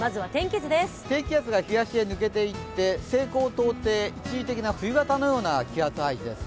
低気圧が東へ抜けていって西高東低、一時的に冬型のような気圧配置です。